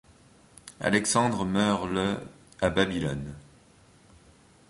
Alexandre meurt le à Babylone.